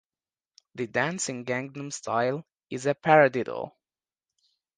The dance in "Gangnam Style" is a paradiddle.